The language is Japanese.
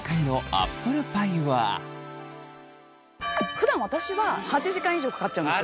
ふだん私は８時間以上かかっちゃうんですよ。